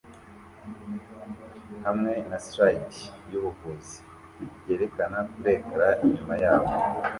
hamwe na slide yubuvuzi yerekana kuri ecran inyuma yabo